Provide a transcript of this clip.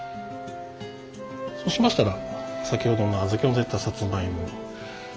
そうしましたら先ほどの小豆をのせたさつまいも。